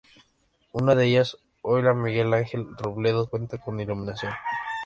Una de ellas, hoy la "Miguel Ángel Robledo" cuenta con iluminación.